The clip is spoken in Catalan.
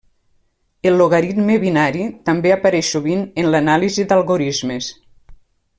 El logaritme binari també apareix sovint en l'anàlisi d'algorismes.